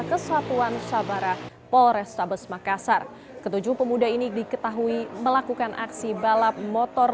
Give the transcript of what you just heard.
kesatuan sabara polrestabes makassar ketujuh pemuda ini diketahui melakukan aksi balap motor